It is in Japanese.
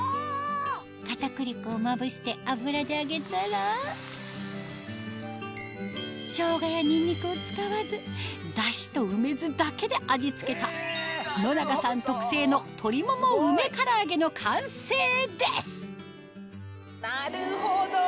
片栗粉をまぶして油で揚げたらショウガやニンニクを使わずダシと梅酢だけで味付けた野永さん特製の鶏もも梅唐揚げの完成ですなるほど。